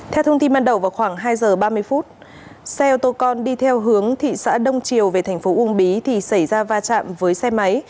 theo thông tin ban đầu vào khoảng hai giờ ba mươi phút xe ô tô con đi theo hướng thị xã đông triều về thành phố uông bí thì xảy ra va chạm với xe máy